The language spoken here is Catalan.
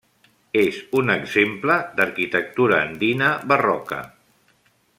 És un exemple d'arquitectura andina barroca.